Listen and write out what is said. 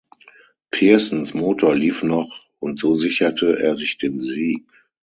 Pearsons Motor lief noch und so sicherte er sich den Sieg.